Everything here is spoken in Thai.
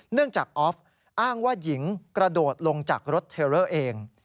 จากออฟอ้างว่าหญิงกระโดดลงจากรถเทลเลอร์เอง